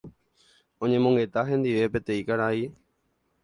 oñemongeta hendive peteĩ karai